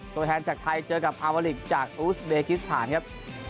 ตัวแทนจากไทยเจอกับอาวาลิกจากอูสเบกิสถานครับ